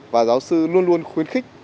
và giáo sư luôn luôn khuyến khích